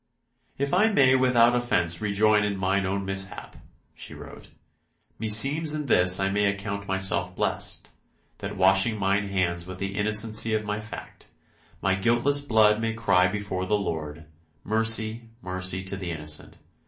] "If I may without offence rejoice in mine own mishap," she wrote, "meseems in this I may account myself blessed, that washing mine hands with the innocency of my fact, my guiltless blood may cry before the Lord, mercy, mercy to the innocent.